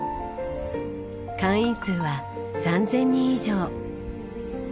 会員数は３０００人以上。